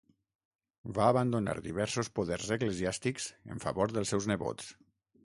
Va abandonar diversos poders eclesiàstics en favor dels seus nebots.